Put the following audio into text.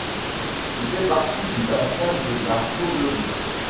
Il fait partie du bassin de la Cauvery.